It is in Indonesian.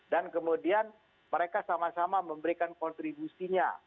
dan kemudian mereka sama sama memberikan kontribusinya